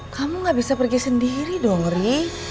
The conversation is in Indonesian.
kamu gak bisa pergi sendiri dong ri